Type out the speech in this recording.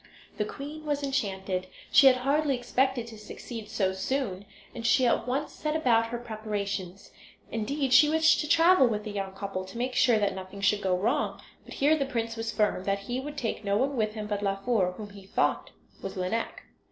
The queen was enchanted. She had hardly expected to succeed so soon, and she at once set about her preparations. Indeed she wished to travel with the young couple, to make sure that nothing should go wrong; but here the prince was firm, that he would take no one with him but Laufer, whom he thought was Lineik.